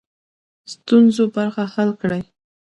ستونزو برخه حل کړي.